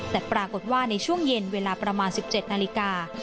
แต่ปรากฏว่าในช่วงเย็นเวลาประมาณ๑๗นาฬิกา